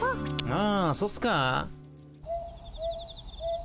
あそっすか？